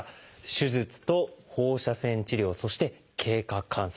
「手術」と「放射線治療」そして「経過観察」